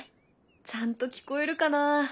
ちゃんと聞こえるかな？